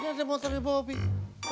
loh gak ada motornya bobby